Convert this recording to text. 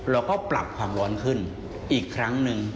เราก็ปรับความร้อนขึ้นอีกครั้งหนึ่ง